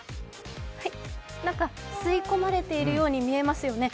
何か吸い込まれているように見えますよね。